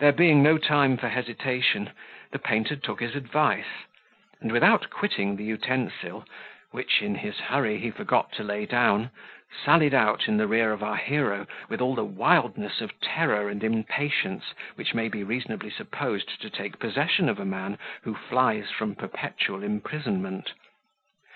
There being no time for hesitation, the painter took his advice; and, without quitting the utensil, which in his hurry he forgot to lay down, sallied out in the rear of our hero, with all the wildness of terror and impatience which may be reasonably supposed to take possession of a man who flies from perpetual imprisonment.